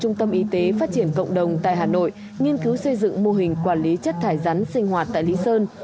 trung tâm y tế phát triển cộng đồng tại hà nội nghiên cứu xây dựng mô hình quản lý chất thải rắn sinh hoạt tại lý sơn